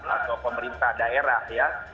atau pemerintah daerah